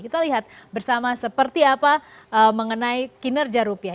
kita lihat bersama seperti apa mengenai kinerja rupiah